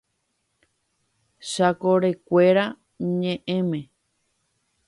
¡Chakorekuéra ñeʼẽme!